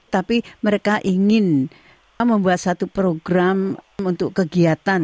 tapi mereka ingin membuat satu program untuk kegiatan